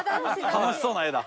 楽しそうな画だ。